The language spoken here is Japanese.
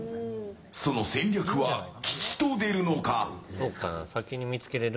その戦略は吉と出るのか。